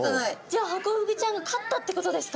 じゃあハコフグちゃんが勝ったってことですか？